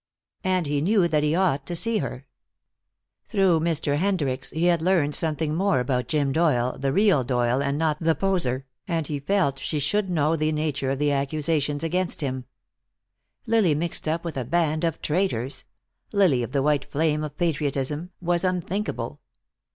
And he knew that he ought to see her. Through Mr. Hendricks he had learned something more about Jim Doyle, the real Doyle and not the poseur, and he felt she should know the nature of the accusations against him. Lily mixed up with a band of traitors, Lily of the white flame of patriotism, was unthinkable.